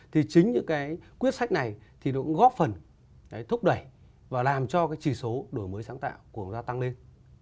thì chính những cái quyết sách này thì nó cũng góp phần thúc đẩy và làm cho cái chỉ số đổi mới sáng tạo của chúng ta tăng lên